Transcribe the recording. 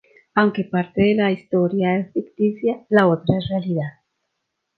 Aunque parte de la historia es ficticia, la otra es realidad.